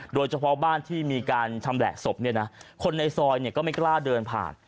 โดยเฉพาะบ้านที่มีการชำแหละศพเนี่ยนะคนในซอยก็ไม่กล้าเดินผ่าน